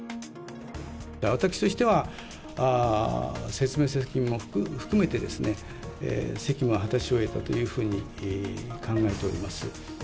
私としては、説明責任を含めてですね、責務は果たし終えたというふうに考えております。